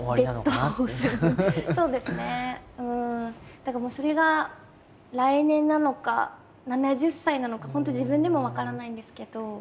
だからもうそれが来年なのか７０歳なのか本当自分でも分からないんですけど。